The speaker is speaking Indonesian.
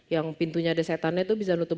yang pintunya ada setannya itu bisa nutup